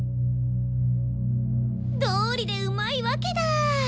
どうりでうまいわけだ！